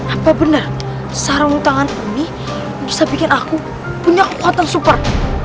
apa benar sarung tangan ini bisa bikin aku punya kekuatan support